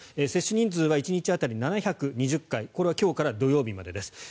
接種人数は１日当たり７２０回これは今日から土曜日までです